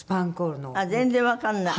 あっ全然わかんない。